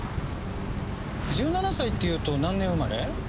１７歳っていうと何年生まれ？